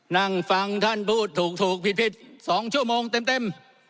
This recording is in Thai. นั่งฟังท่านพูดถูกถูกผิดผิดสองชั่วโมงเต็มเต็ม